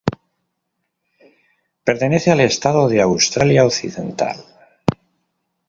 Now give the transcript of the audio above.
Pertenecen al estado de Australia Occidental.